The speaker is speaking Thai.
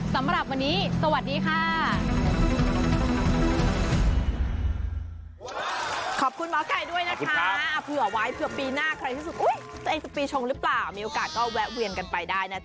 สำหรับวันนี้สวัสดีค่ะ